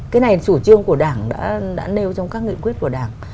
cái này chủ trương của đảng đã nêu trong các nghị quyết của đảng